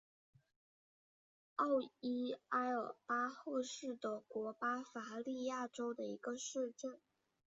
奥伊埃尔巴赫是德国巴伐利亚州的一个市镇。